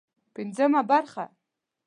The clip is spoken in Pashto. پنځمه برخه